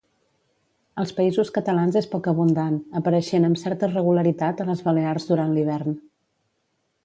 Als Països Catalans és poc abundant, apareixent amb certa regularitat a les Balears durant l'hivern.